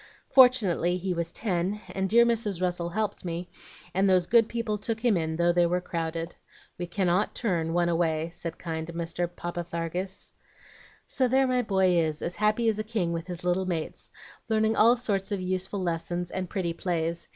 Fortunately he was ten, and dear Mrs. Russell helped me, and those good people took him in though they were crowded. 'We cannot turn one away,' said kind Mr. Parpatharges. "So there my boy is, as happy as a king with his little mates, learning all sorts of useful lessons and pretty plays.